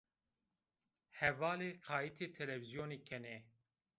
Hevalî qayîtê televîzyonî kenê.